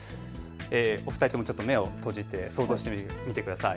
お二人ともちょっと目を閉じて想像してみてください。